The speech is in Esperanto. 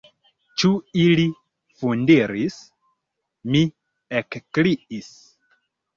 Ĉu ili fundiris!? mi ekkriis.